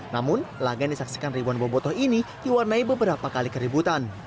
namun laga yang disaksikan ribuan bobotoh ini diwarnai beberapa kali keributan